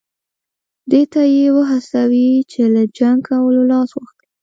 دې ته یې وهڅوي چې له جنګ کولو لاس واخلي.